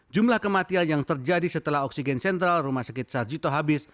jumlah kematian yang terjadi setelah oksigen sentral rumah sakit sarjito habis